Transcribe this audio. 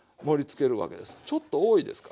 ちょっと多いですか？